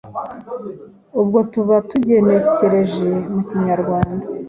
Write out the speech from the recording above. ubwo tuba tugenekereje mu Kinyarwanda.